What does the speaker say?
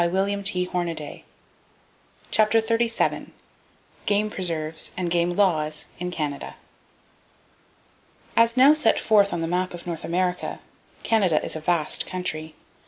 [Page 350] CHAPTER XXXVII GAME PRESERVES AND GAME LAWS IN CANADA As now set forth on the map of North America, Canada is a vast country.